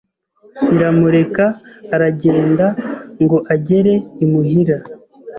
Iramureka aragendaNgo agere imuhira